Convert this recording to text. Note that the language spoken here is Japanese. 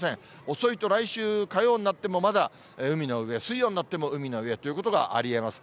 遅いと来週火曜になってもまだ海の上、水曜になっても海の上ということがありえます。